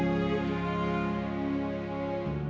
ayah yang memaksamu